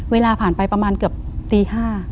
เวลาผ่านไปประมาณเกือบตี๕